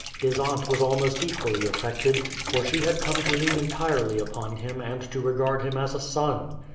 His aunt was almost equally affected, for she had come to lean entirely upon him and to regard him as a son.